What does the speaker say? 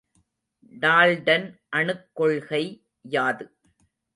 Dalton அணுக்கொள்கை யாது?